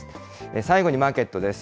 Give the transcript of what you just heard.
最後にマーケットです。